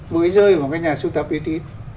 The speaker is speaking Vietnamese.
với rơi một cái nhà sưu tập uy tín